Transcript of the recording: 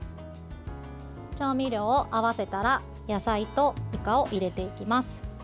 調味料を合わせたら野菜と、いかを入れていきます。